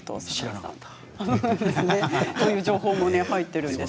という情報も入っています。